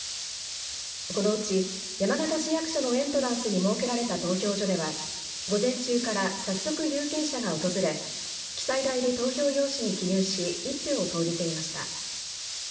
このうち山形市役所のエントランスに設けられた投票所では午前中から早速、有権者が訪れ記載台で投票用紙に記入し１票を投じていました。